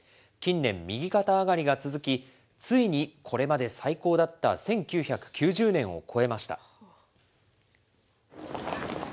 近年、右肩上がりが続き、ついにこれまで最高だった１９９０年を超えました。